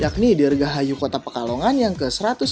yakni di regahayu kota pekalongan yang ke satu ratus sembilan